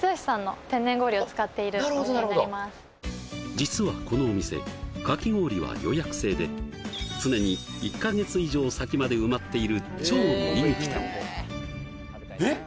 実はこのお店かき氷は予約制で常に１カ月以上先まで埋まっている超人気店えっ！？